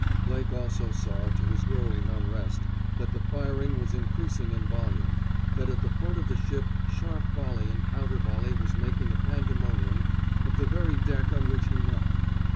Blake also saw, to his growing unrest, that the firing was increasing in volume, that at the front of the ship sharp volley and counter volley was making a pandemonium of the very deck on which he knelt.